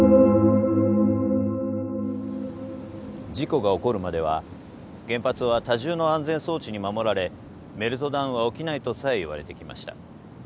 事故が起こるまでは原発は多重の安全装置に守られメルトダウンは起きないとさえ言われてきました。